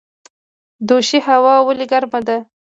دوشي هوا ولې ګرمه ده؟